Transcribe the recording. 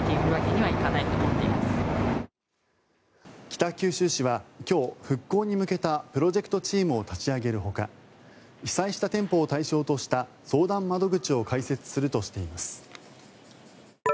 北九州市は今日復興に向けたプロジェクトチームを立ち上げるほか被災した店舗を対象とした相談窓口を開設するとしています。